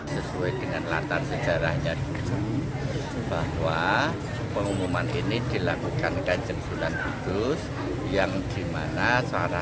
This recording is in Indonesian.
sesuai dengan latar sejarahnya bahwa pengumuman ini dilakukan kejurutan kudus yang gimana suara